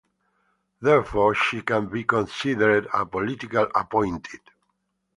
Therefore, she can be considered a political appointee.